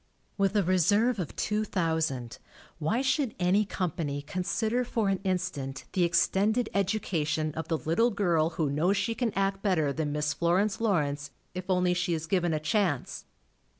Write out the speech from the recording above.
With a reserve of two thousand, why should any company consider for an in stant the extended education of the little girl who knows she can act better than Miss Florence Lawrence, if only she is given a chance?